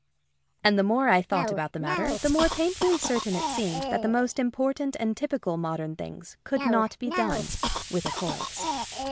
And the more I thought about the matter the more painfully certain it seemed that the most important and typical modern things could not be done with a chorus.